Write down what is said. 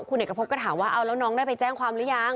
คุณเอกพบก็ถามว่าเอาแล้วน้องได้ไปแจ้งความหรือยัง